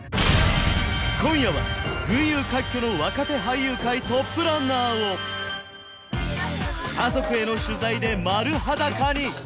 今夜は群雄割拠の若手俳優界トップランナーを家族への取材で丸裸に！